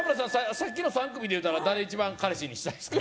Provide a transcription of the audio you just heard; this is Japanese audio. さっきの３組で言うたら誰一番彼氏にしたいですか？